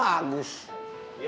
nggak udah lu aja sendiri